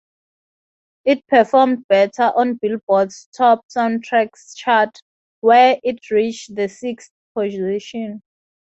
It performed better on Billboard's Top Soundtracks chart, where it reached the sixth position.